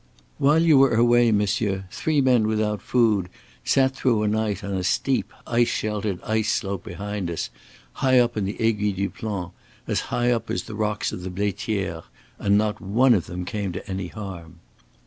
"While you were away, monsieur, three men without food sat through a night on a steep ice sheltered ice slope behind us, high up on the Aiguille du Plan, as high up as the rocks of the Blaitiere. And not one of them came to any harm."